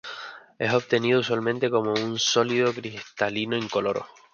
Es obtenido usualmente como un sólido cristalino incoloro.